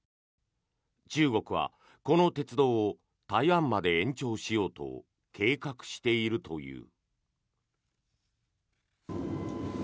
中国は、この鉄道を台湾まで延長しようと計画しているという。